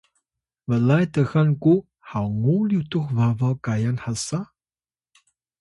Tuyaw: blay txan ku Hawngu Lyutux babaw kayan hasa?